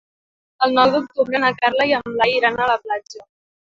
El nou d'octubre na Carla i en Blai iran a la platja.